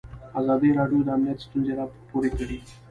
ازادي راډیو د امنیت ستونزې راپور کړي.